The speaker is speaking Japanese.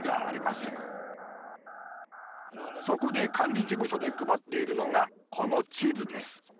そこで管理事務所で配っているのがこの地図です。